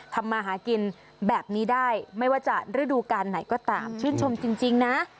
ทำมาหากินแบบนี้ได้ไม่ว่าจะฤดูการไหนก็ตามชื่นชมจริงนะ